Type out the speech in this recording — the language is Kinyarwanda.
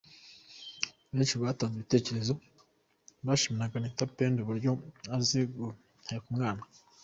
Benshi mu batanze ibitekerezo bashimiraga Anita Pendo uburyo azi guheka umwana.